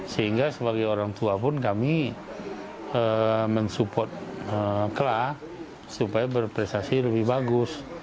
sehingga sebagai orang tua pun kami mensupport kelas supaya berprestasi lebih bagus